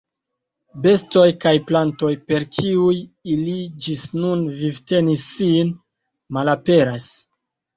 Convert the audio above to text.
Bestoj kaj plantoj, per kiuj ili ĝis nun vivtenis sin, malaperas.